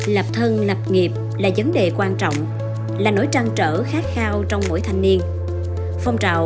lập thân lập nghiệp là vấn đề quan trọng là nỗi trăn trở khát khao trong mỗi thanh niên phong trào